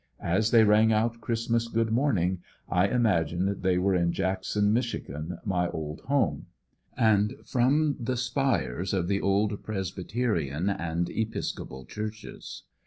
As they rang out Christmas good mornmg 1 imagined they were in Jackson, Michigan, my old home, and from the spires of the old Presbyterian and Episcopal churches.